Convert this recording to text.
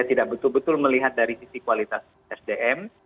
tidak betul betul melihat dari sisi kualitas sdm